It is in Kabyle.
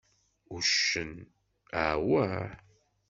Uccen: Awah!